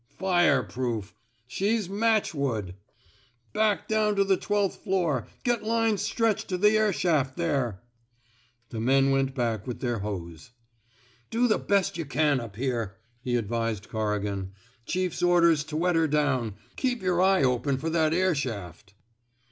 Fireproof! She's matchwood! Back down to the twelfth floor. Get lines stretched to the air shaft there." The men went back with their hose. *' Do the best yuh can up here," he ad vised Corrigan. Chief's orders to wet her down. Keep yer eye open fer that air shaft."